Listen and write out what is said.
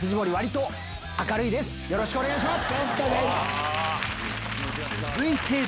よろしくお願いします！